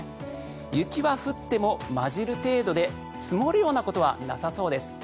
雪は降っても交じる程度で積もるようなことはなさそうです。